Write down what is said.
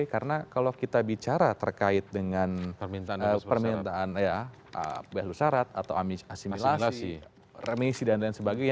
karena kalau kita bicara terkait dengan permintaan lulus syarat atau asimilasi remisi dan lain sebagainya